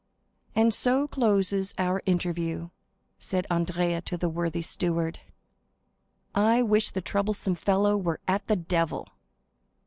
"And so closes our interview," said Andrea to the worthy steward; "I wish the troublesome fellow were at the devil!"